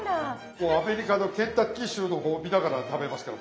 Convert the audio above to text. もうアメリカのケンタッキー州の方を見ながら食べますから。